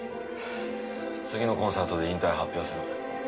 次のコンサートで引退を発表する。